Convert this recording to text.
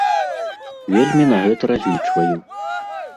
Вельмі на гэта разлічваю.